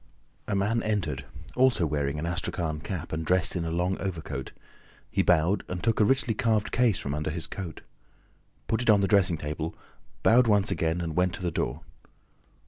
A man entered, also wearing an astrakhan cap and dressed in a long overcoat. He bowed and took a richly carved case from under his coat, put it on the dressing table, bowed once again and went to the door.